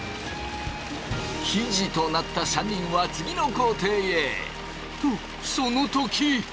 生地となった３人は次の工程へとその時！